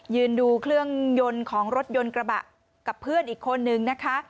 ยืนดูเครื่องยนต์ของรถยนต์กระบะกับเพื่อนอีกคนนึงนะคะ